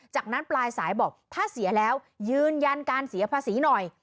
จากนั้นปลายสายบอกถ้าเสียแล้วยืนยันการเสียภาษีหน่อย